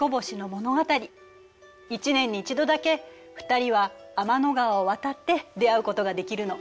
１年に一度だけ２人は天の川を渡って出会うことができるの。